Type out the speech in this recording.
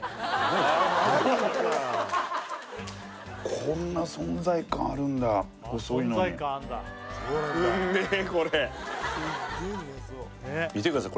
こんな存在感あるんだ細いのにうんめえこれ見てください